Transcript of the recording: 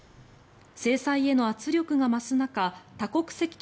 制裁への圧力が増す中多国籍